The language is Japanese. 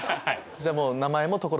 じゃあもう名前も。